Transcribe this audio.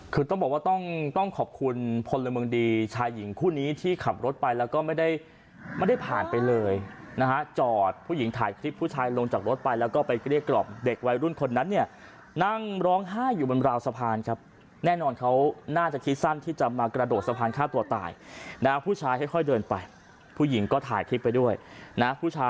คือต้องบอกว่าต้องต้องขอบคุณพลเมืองดีชายหญิงคู่นี้ที่ขับรถไปแล้วก็ไม่ได้ไม่ได้ผ่านไปเลยนะฮะจอดผู้หญิงถ่ายคลิปผู้ชายลงจากรถไปแล้วก็ไปเกลี้ยกล่อมเด็กวัยรุ่นคนนั้นเนี่ยนั่งร้องไห้อยู่บนราวสะพานครับแน่นอนเขาน่าจะคิดสั้นที่จะมากระโดดสะพานฆ่าตัวตายนะผู้ชายค่อยเดินไปผู้หญิงก็ถ่ายคลิปไปด้วยนะผู้ชาย